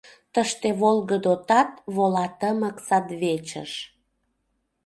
Тыште волгыдо тат вола тымык садвечыш.